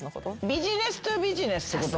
ビジネストゥビジネスってこと？